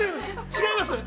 違います。